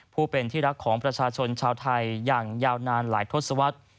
ผู้เป็นที่รักของประชาชนชาวไทยอย่างยาวนานหลายทศวรรษ